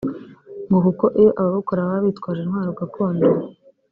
ngo kuko iyo ababukora baba bitwaje intwaro gakondo